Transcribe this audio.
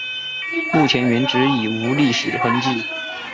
目前原址已无历史痕迹。